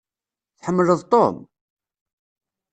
Tḥemmleḍ Tom?